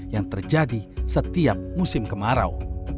yang terjadi setiap musim kemarau